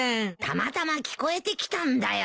たまたま聞こえてきたんだよ。